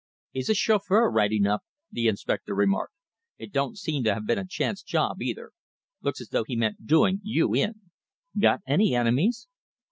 "He's a chauffeur, right enough," the inspector remarked. "It don't seem to have been a chance job, either. Looks as though he meant doing you in. Got any enemies?"